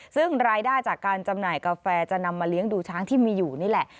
ซึ่งรายได้จากการจำหน่ายกาแฟจะนำมาเลี้ยงดูช้างที่มีอยู่นี่แหละ